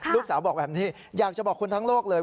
ลูกสาวบอกแบบนี้อยากจะบอกคนทั้งโลกเลย